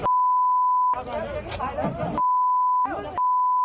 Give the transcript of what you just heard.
โอ้โหญาติครอบครัวของผู้ตายเข้ามาแบบโกรธแค้นกันเลยล่ะเดี๋ยวลองดูตรงนี้หน่อยนะฮะ